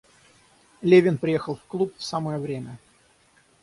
Левин приехал в клуб в самое время.